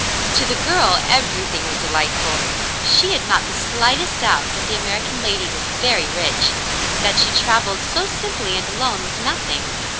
To the girl everything was delightful. She had not the slightest doubt that the American lady was very rich. That she travelled so simply and alone was nothing.